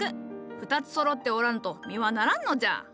２つそろっておらんと実はならんのじゃ。